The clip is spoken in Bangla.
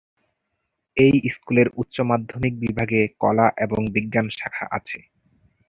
এই স্কুলের উচ্চ মাধ্যমিক বিভাগে কলা এবং বিজ্ঞান শাখা আছে।